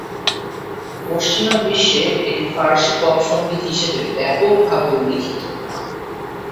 পশ্চিমা বিশ্বে এটি ফার্সি পপ সঙ্গীত হিসাবে ব্যাপকভাবে উল্লেখিত।